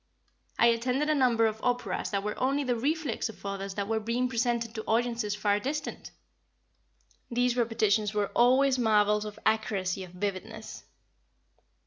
I attended a number of operas that were only the reflex of others that were being presented to audiences far distant. These repetitions were always marvels of accuracy of vividness.